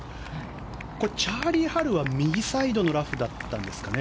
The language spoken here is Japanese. チャーリー・ハルは右サイドのラフだったんですかね